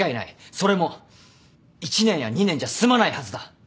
それも１年や２年じゃ済まないはずだ。